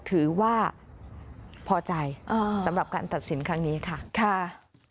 ถือว่าพอใจสำหรับการตัดสินครั้งนี้ค่ะ